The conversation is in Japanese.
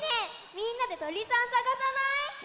みんなでとりさんさがさない？